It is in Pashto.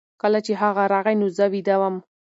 کله چې هغه راغی نو زه ویده وم.